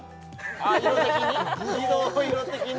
あ色的に？